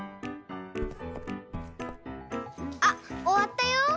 あっおわったよ。